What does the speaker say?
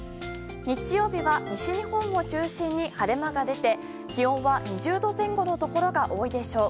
日曜日は西日本を中心に晴れ間が出て気温は２０度前後のところが多いでしょう。